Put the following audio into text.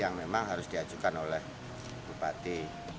yang memang harus diajukan oleh bupati